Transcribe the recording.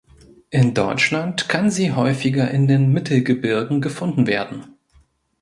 In Deutschland kann sie häufiger in den Mittelgebirgen gefunden werden.